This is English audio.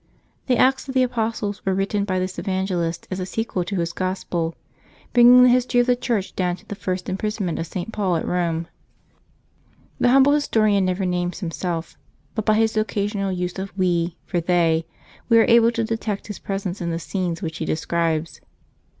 The acts of the Apostles were written by this Evangelist as a sequel to his Gospel, bringing the history of the Church down to the first imprisonment of St. Paul at Eome. The humble historian never names himself, but by his occasional use of " we " for " they " we are able to detect his presence in the scenes which he describes.